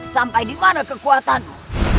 sampai dimana kekuatanku